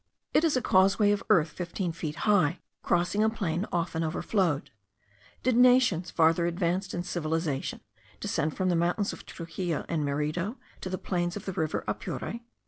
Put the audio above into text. It is a causeway of earth fifteen feet high, crossing a plain often overflowed. Did nations farther advanced in civilization descend from the mountains of Truxillo and Merido to the plains of the Rio Apure?